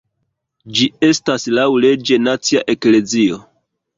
Ĝi estas laŭleĝe nacia eklezio.